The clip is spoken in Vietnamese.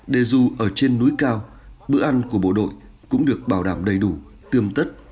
để dù ở trên núi cao bữa ăn của bộ đội cũng được bảo đảm đầy đủ tươm tất